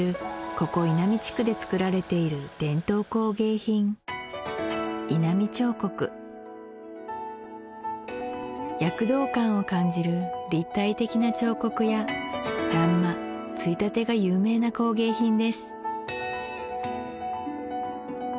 ここ井波地区でつくられている伝統工芸品躍動感を感じる立体的な彫刻や欄間衝立が有名な工芸品です